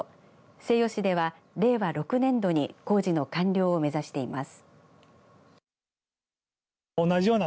西予市では令和６年度に工事の完了を目指しています。